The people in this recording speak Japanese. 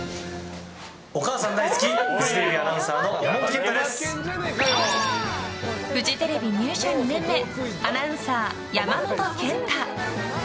お母さん大好きフジテレビアナウンサーフジテレビ入社２年目アナウンサー、山本賢太。